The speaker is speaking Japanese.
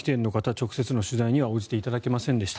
直接の取材には応じていただけませんでした。